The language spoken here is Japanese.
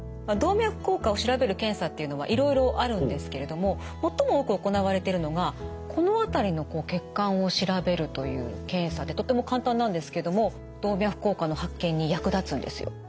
動脈硬化を調べる検査っていうのはいろいろあるんですけれども最も多く行われているのがこの辺りの血管を調べるという検査でとっても簡単なんですけども動脈硬化の発見に役立つんですよ。